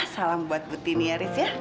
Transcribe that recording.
salam buat bu tini aris ya